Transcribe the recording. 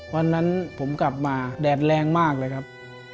วันนั้นผมกลับมาแดดแรงมากเลยครับ